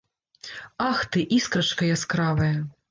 Ах ты, іскрачка яскравая!